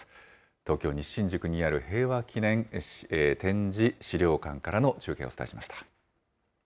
東京・西新宿にある、平和祈念展示資料館からの中継をお伝えしました。